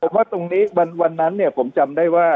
ว่าตรงนี้วันนั้นเนี่ยผมจำได้ว่า